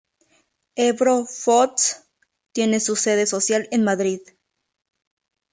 Ebro Foods tiene su sede social en Madrid.